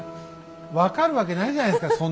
分かるわけないじゃないですか